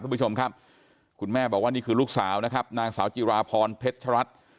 คุณผู้ชมครับคุณแม่บอกว่านี่คือลูกสาวนะครับนางสาวจิราพรเพชรัตน์